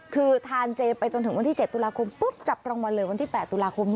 คือทานเจไปจนถึงวันที่๗ตุลาคมปุ๊บจับรางวัลเลยวันที่๘ตุลาคม